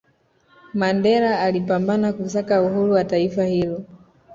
mandela alipambana kusaka uhuru wa taifa hilo